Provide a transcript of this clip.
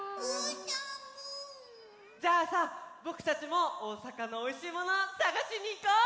じゃあさぼくたちもおおさかのおいしいものさがしにいこう！